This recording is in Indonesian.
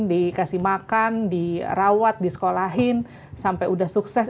dikasih makan dirawat disekolahin sampai udah sukses